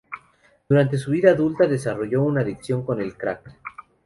Durante su vida adulta, desarrolló una adicción con el crack.